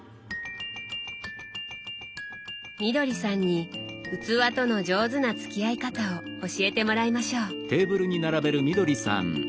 みどりさんに器との上手な付き合い方を教えてもらいましょう。